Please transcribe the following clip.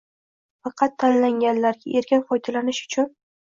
faqat «tanlangan»larga erkin foydalanish uchun